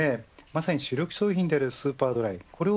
まさに主力商品であるスーパードライ